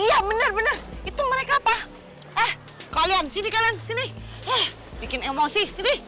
iya bener bener itu mereka apa kalian sini kalian sini bikin emosi